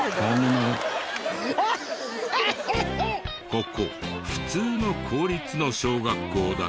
ここ普通の公立の小学校だけど。